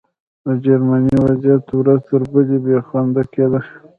د جرمني وضعیت ورځ تر بلې بې خونده کېده